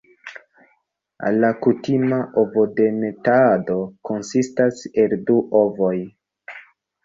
La kutima ovodemetado konsistas el du ovoj.